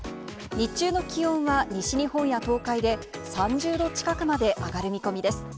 日中の気温は西日本や東海で、３０度近くまで上がる見込みです。